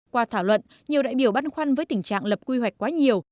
qua thảo luận nhiều đại biểu băn khoăn với tình trạng lập quy hoạch quá nhiều